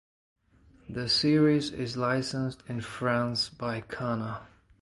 The series is licensed in France by Kana.